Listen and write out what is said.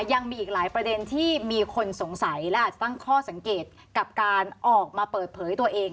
ยังมีอีกหลายประเด็นที่มีคนสงสัยและอาจจะตั้งข้อสังเกตกับการออกมาเปิดเผยตัวเอง